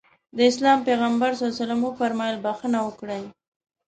د اسلام پيغمبر ص وفرمايل بښنه وکړئ.